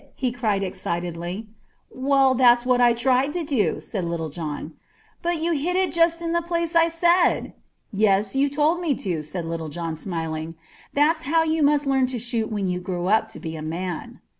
he cried excitedly. "Well, that's what I tried to do," said Little John. "But you hit it just in the place I said." "Yes, you told me to," said Little John, smiling. "That's how you must learn to shoot when you grow up to be a man."